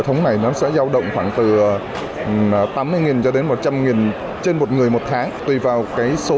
hệ thống này nó sẽ giao động khoảng từ tám mươi cho đến một trăm linh trên một người một tháng tùy vào cái số